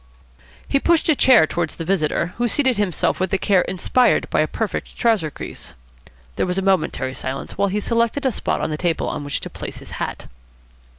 He pushed a chair towards the visitor, who seated himself with the care inspired by a perfect trouser crease. There was a momentary silence while he selected a spot on the table on which to place his hat.